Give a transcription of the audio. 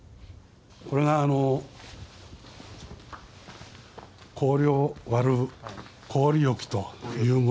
これがあの氷を割る氷斧というものです。